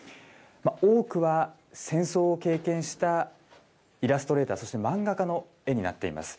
多くは戦争を経験したイラストレーター、そして漫画家の絵になっています。